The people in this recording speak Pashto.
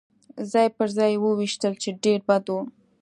ځای پر ځای يې وویشتل، چې ډېر بد و.